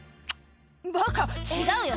「バカ違うよ！